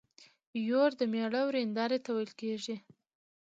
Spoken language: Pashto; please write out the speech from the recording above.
يور د مېړه ويرنداري ته ويل کيږي.